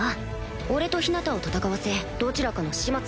俺とヒナタを戦わせどちらかの始末？